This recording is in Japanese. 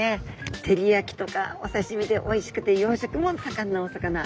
照り焼きとかお刺身でおいしくて養殖も盛んなお魚。